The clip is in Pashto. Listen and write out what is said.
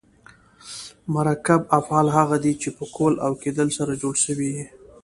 مرکب افعال هغه دي، چي په کول او کېدل سره جوړ سوي یي.